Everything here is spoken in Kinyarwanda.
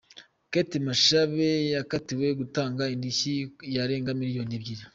Kate Bashabe yakatiwe gutanga indishyi yarenga miliyoni ebyiri.